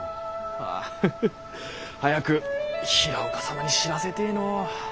あハハ早く平岡様に知らせてぇのう。